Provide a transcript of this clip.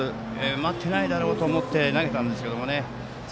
待っていないだろうと思って投げたんですけどね。